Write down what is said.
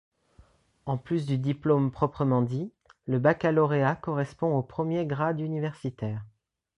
En plus du diplôme proprement dit, le baccalauréat correspond au premier grade universitaire.